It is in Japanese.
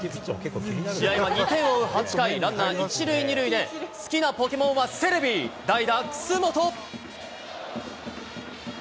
試合は２点を追う８回、ランナー１塁２塁で好きなポケモンはセレビィ、代打、楠本。